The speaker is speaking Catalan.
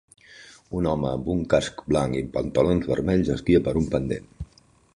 Un home amb un casc blanc i pantalons vermells esquia per un pendent